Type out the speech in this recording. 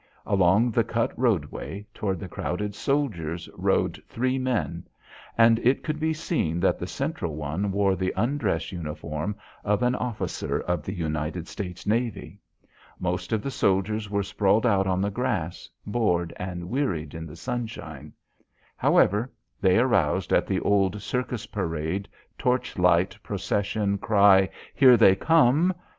Along the cut roadway, toward the crowded soldiers, rode three men, and it could be seen that the central one wore the undress uniform of an officer of the United States navy. Most of the soldiers were sprawled out on the grass, bored and wearied in the sunshine. However, they aroused at the old circus parade, torch light procession cry, "Here they come."